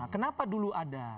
kenapa dulu ada